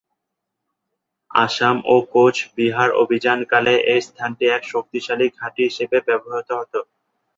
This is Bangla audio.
আসাম ও কোচ বিহার অভিযান কালে এ স্থানটি এক শক্তিশালী ঘাঁটি হিসেবে ব্যবহৃত হতো।